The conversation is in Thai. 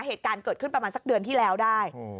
เหตุการณ์เกิดขึ้นประมาณสักเดือนที่แล้วได้